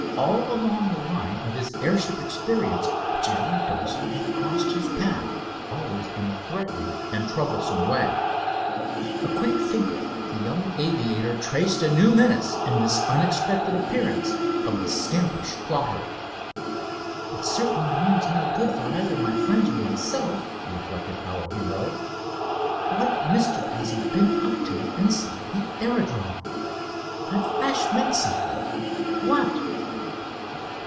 All along the line of his airship experience Jerry Dawson had crossed his path, always in a threatening and troublesome way. A quick thinker, the young aviator traced a new menace in this unexpected appearance of the scampish plotter. "It certainly means no good for either my friends or myself," reflected our hero. "What mischief has he been up to inside the aerodrome? That flash meant something. What?"